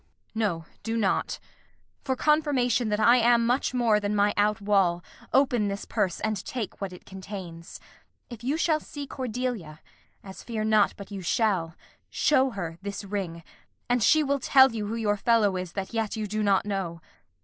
Kent. No, do not. For confirmation that I am much more Than my out wall, open this purse and take What it contains. If you shall see Cordelia (As fear not but you shall), show her this ring, And she will tell you who your fellow is That yet you do not know.